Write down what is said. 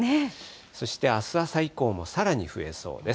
そしてあす朝以降もさらに増えそうです。